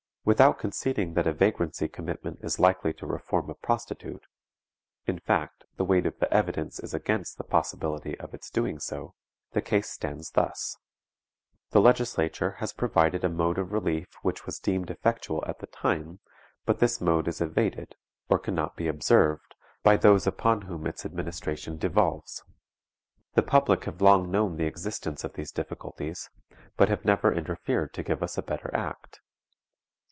Without conceding that a vagrancy commitment is likely to reform a prostitute (in fact, the weight of evidence is against the possibility of its doing so), the case stands thus: the Legislature has provided a mode of relief which was deemed effectual at the time, but this mode is evaded, or can not be observed, by those upon whom its administration devolves. The public have long known the existence of these difficulties, but have never interfered to give us a better act.